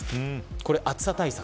これ、暑さ対策。